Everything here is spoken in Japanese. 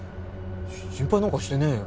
し心配なんかしてねえよ。